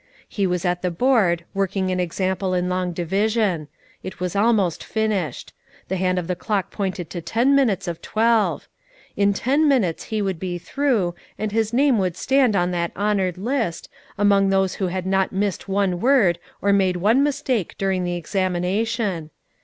He was at the board, working an example in long division; it was almost finished. The hand of the clock pointed to ten minutes of twelve. In ten minutes he would be through, and his name would stand on that honoured list, among those who had not missed one word or made one mistake during the examination.